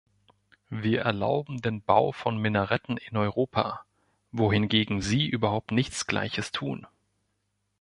Wir erlauben den Bau von Minaretten in Europa, wohingegen sie überhaupt nichts Gleiches tun.